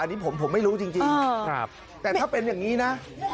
อันนี้ผมไม่รู้จริงแต่ถ้าเป็นอย่างนี้นะ